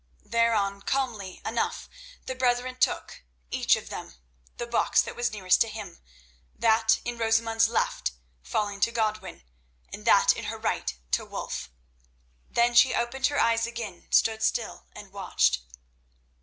Thereon, calmly enough the brethren took, each of them, the box that was nearest to him, that in Rosamund's left hand falling to Godwin and that in her right to Wulf. Then she opened her eyes again, stood still, and watched.